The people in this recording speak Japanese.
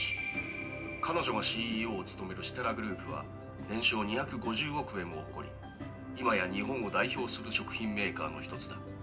「彼女がＣＥＯを務めるシタラグループは年商２５０億円を誇り今や日本を代表する食品メーカーのひとつだ」